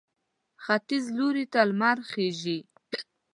ختیځ لوري ته لمر خېژي.